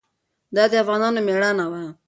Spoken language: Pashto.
دا د افغانانو مېړانه وه.